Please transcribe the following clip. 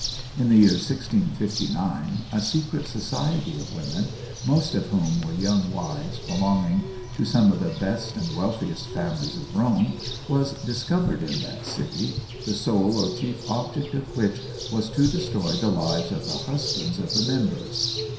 In the year 1659, a secret society of women, most of whom were young wives belonging to some of the best and wealthiest families of Rome, was discovered in that city, the sole or chief object of which was to destroy the lives of the husbands of the members.